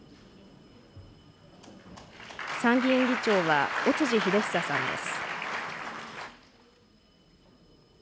参議院議長は尾辻秀久さんです。